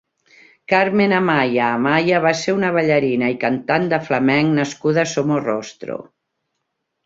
Carmen Amaya Amaya va ser una ballarina i cantant de flamenc nascuda a Somorrostro.